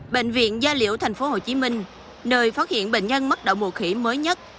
bệnh viện gia liễu tp hcm nơi phát hiện bệnh nhân mắc đậu mùa khỉ mới nhất